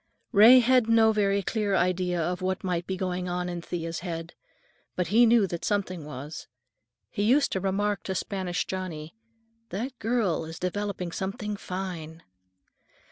Ray had no very clear idea of what might be going on in Thea's head, but he knew that something was. He used to remark to Spanish Johnny, "That girl is developing something fine."